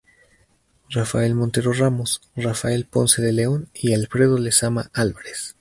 Rafael Montero Ramos, Rafael Ponce de León y Alfredo Lezama Álvarez.